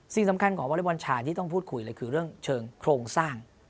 สิ่งสำคัญของวอเล็กบอลชายที่ต้องพูดคุยเลยคือเรื่องเชิงโครงสร้าง